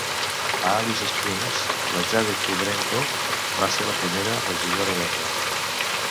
A Alice Springs, la Jade Kudrenko va ser la primera regidora verda.